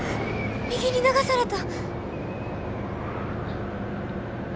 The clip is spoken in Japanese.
右に流された！